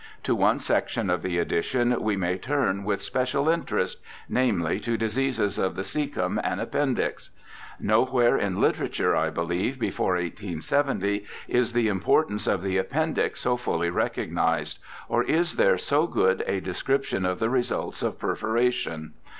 To one section of the edition we may turn with special interest, namely, to diseases of the caecum and appendix. Nowhere in literature, I believe, before 1870, is the importance of the appendix so fully recognized, or is there so good a description of the results of perforation.